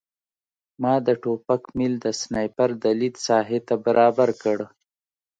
ما د ټوپک میل د سنایپر د لید ساحې ته برابر کړ